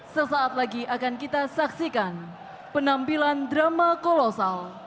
sesaat lagi akan kita saksikan penampilan drama kolosal